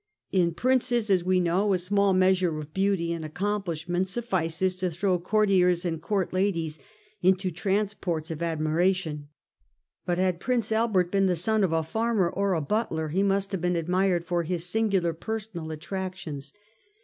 In princes, as we know, a small measure of beauty and accomplishment suffices to throw courtiers and court ladies into transports of admiration; but had Prince Albert been the son of a farmer or a butler, he must have been admired for his singular personal attractions.